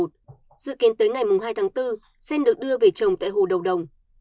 dự kiến tới ngày hai tháng bốn sen được đưa về trồng tại hồ đầu đồng